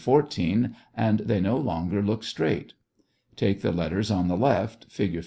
14, and they no longer look straight. Take the letters on the left, Fig.